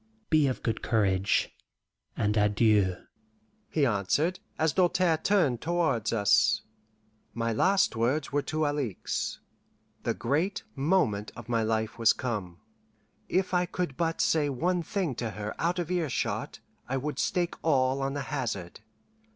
"Be of good courage, and adieu," he answered, as Doltaire turned towards us. My last words were to Alixe. The great moment of my life was come. If I could but say one thing to her out of earshot, I would stake all on the hazard.